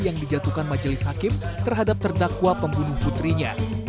yang dijatuhkan majelis hakim terhadap terdakwa pembunuh putrinya